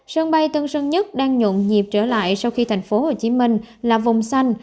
sân bay tân sơn nhất đang nhộn nhịp trở lại sau khi thành phố hồ chí minh là vùng xanh